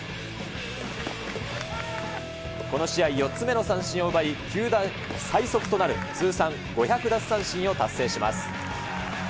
この試合４つ目の三振を奪い、球団最速となる、通算５００奪三振を達成します。